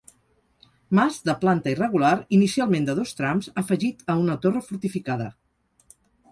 Mas de planta irregular, inicialment de dos trams, afegit a una torre fortificada.